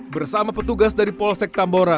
bersama petugas dari polsek tambora